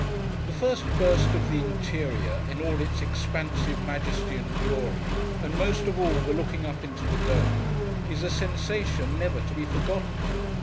The first burst of the interior, in all its expansive majesty and glory: and, most of all, the looking up into the Dome: is a sensation never to be forgotten.